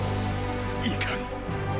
いかん！